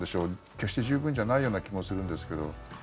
決して十分じゃないような気もするんですけど。